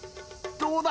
どうだ！